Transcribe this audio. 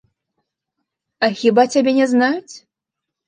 А хіба цябе не знаюць?